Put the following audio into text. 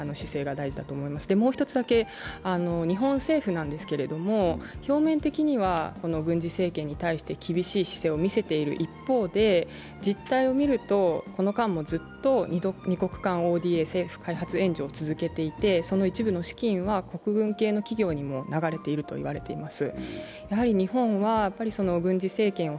大事だと思います、もう一つ、日本政府なんですけど表面的には軍事政権に対して厳しい姿勢を見せている一方で、実態を見ると、この間も、ずっと２国間ＯＤＡ、政府開発援助を続けていて、その一部の資金は国軍系の企業にも流れているともいわれています。